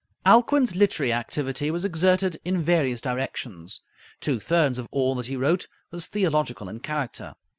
Alcuin's literary activity was exerted in various directions. Two thirds of all that he wrote was theological in character.